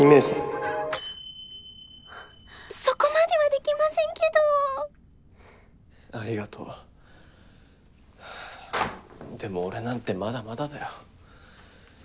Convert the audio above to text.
そこまではできませんけどありがとうでも俺なんてまだまだだよ